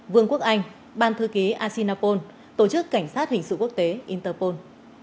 vương quốc anh ban thư ký asean tổ chức cảnh sát hình sự quốc tế interpol